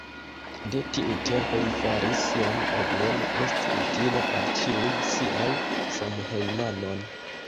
De tiu tempo li faris sian eblon esti utila al ĉiuj siaj samhejmanoj.